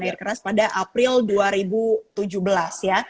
air keras pada april dua ribu tujuh belas ya